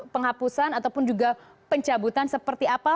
penghapusan ataupun juga pencabutan seperti apa